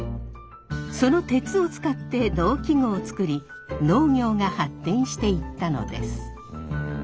その鉄を使って農機具を作り農業が発展していったのです。